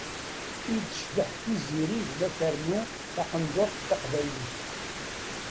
I tecbeḥ Tiziri ma ternu taqendurt taqbaylit.